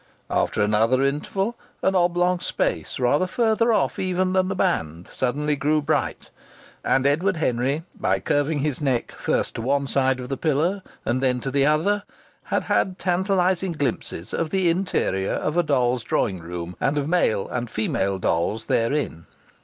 After another interval an oblong space rather further off even than the band suddenly grew bright, and Edward Henry, by curving his neck first to one side of the pillar and then to the other, had had tantalizing glimpses of the interior of a doll's drawing room and of male and female dolls therein.